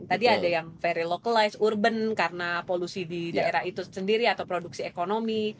jadi ada yang very localized urban karena polusi di daerah itu sendiri atau produksi ekonomi